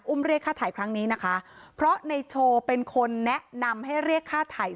เรียกค่าถ่ายครั้งนี้นะคะเพราะในโชว์เป็นคนแนะนำให้เรียกค่าถ่าย